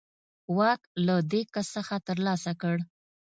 واک له دې کس څخه ترلاسه کړ.